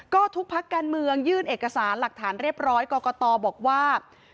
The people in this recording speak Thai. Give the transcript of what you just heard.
ก็ทุกพักการเมืองยื่นเอกสารหลักฐานเรียบร้อยกรกตบอกว่า